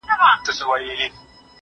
هغه څوک چي چپنه پاکوي منظم وي!